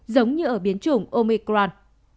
giống như ở biến chủng omicron